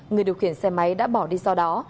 người điều khiển xe máy đã bỏ đi sau đó